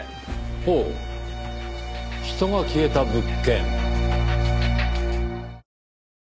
ほう人が消えた物件。